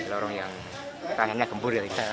lorong yang raya rayanya gembur ya